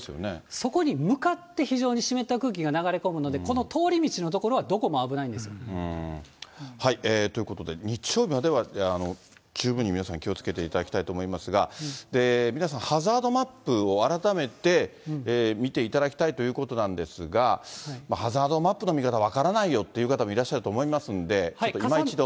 そこに向かって非常に湿った空気が流れ込むので、この通り道の所は、どこも危ないんです。ということで、日曜日までは十分に皆さん、気をつけていただきたいと思いますが、皆さん、ハザードマップを改めて見ていただきたいということなんですが、ハザードマップの見方、分からないよという方もいらっしゃると思いますので、ちょっといま一度。